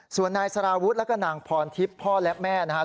ส่วนนายสารวุฒิแล้วก็นางพรทิพย์พ่อและแม่นะครับ